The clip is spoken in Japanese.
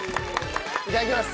いただきます。